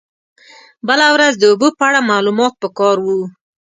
بله ورځ د اوبو په اړه معلومات په کار و.